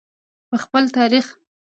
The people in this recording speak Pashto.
په خپل تاریخ.